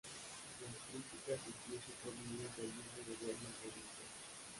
Las críticas incluso provienen del mismo gobierno provincial.